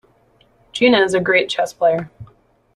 Gina is a great chess player.